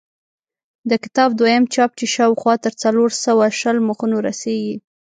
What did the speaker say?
د کتاب دویم چاپ چې شاوخوا تر څلور سوه شل مخونو رسېږي.